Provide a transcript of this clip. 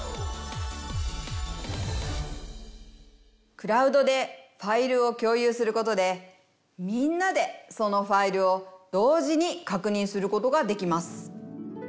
クラウドでファイルを共有することでみんなでそのファイルを同時に確認することができます。